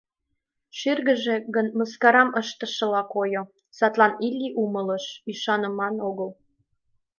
Шӱргыжӧ гын мыскарам ыштышынла койо, садлан Илли умылыш: ӱшаныман огыл.